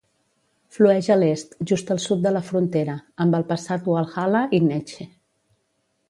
Flueix a l'est, just al sud de la frontera, amb el passat Walhalla i Neche.